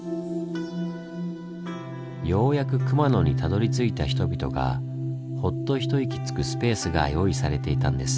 ようやく熊野にたどりついた人々がほっと一息つくスペースが用意されていたんです。